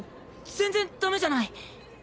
全然ダメじゃない！